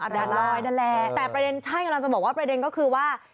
อันดับร้อยนั่นแหละแต่ประเด็นใช่อยากจะบอกว่าประเด็นก็คือว่า